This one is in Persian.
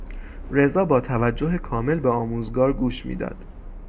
رضا با توجه کامل به آموزگار گوش میداد.